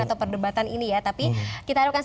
atau perdebatan ini ya tapi kita harapkan